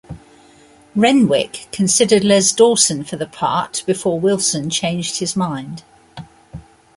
Renwick considered Les Dawson for the part before Wilson changed his mind.